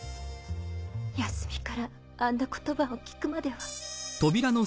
泰美からあんな言葉を聞くまでは。